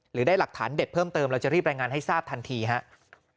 หรือได้หลักฐานเด็ดเพิ่มเติมเราจะรีบรายงานให้ทราบทันทีครับ